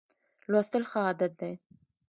لوستل ښه عادت دی.